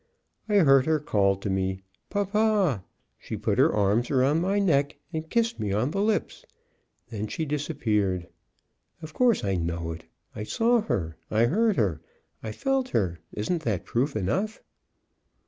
I heard her call to me "papa." She put her arms round my neck, and kissed me on the lips. Then she disappeared. Of course, I know it! I saw her, I heard her, I felt her; isn't that proof enough?"